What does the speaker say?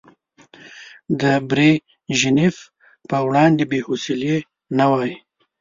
د بريژينف په وړاندې بې حوصلې نه وای.